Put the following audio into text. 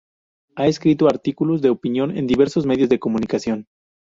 Ha escrito artículos de opinión en diversos medios de comunicación.